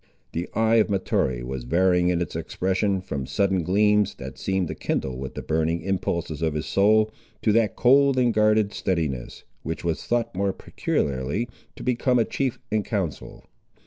The eye of Mahtoree was varying in its expression, from sudden gleams, that seemed to kindle with the burning impulses of his soul, to that cold and guarded steadiness, which was thought more peculiarly to become a chief in council.